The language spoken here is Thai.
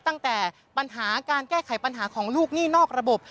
ตั้งแต่ปัญหาการแก้ไขปัญหาของลูกหนี้นอกระบบ